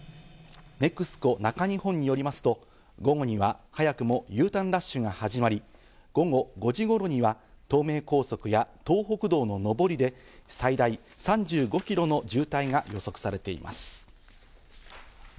ＮＥＸＣＯ中日本によりますと、午後には早くもＵターンラッシュが始まり、午後５時頃には東名高速や東北道の上りで最大３５キロの渋滞が予測されています。